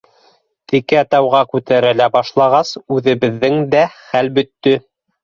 Текә тауға күтәрелә башлағас, үҙебеҙҙең дә хәл бөттө.